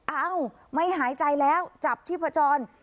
เอ้าไม่หายใจแล้วจับที่ผจร